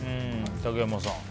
竹山さんは？